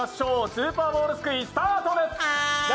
スーパーボールすくいスタートです。